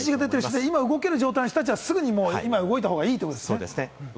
今動ける状態の人は今、動いた方がいいということですね。